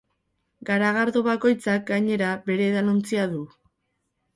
Garagardo bakoitzak, gainera, bere edalontzia du.